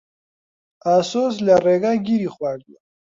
ئاسۆس لە ڕێگا گیری خواردووە.